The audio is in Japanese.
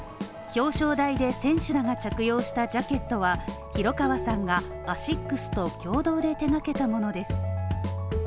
表彰台で選手らが着用したジャケットは廣川さんがアシックスと共同で手がけたものです。